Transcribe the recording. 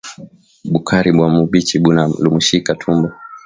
Bukari bwa mubichi buna lumishaka tumbo